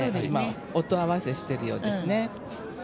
音合わせしているようですね。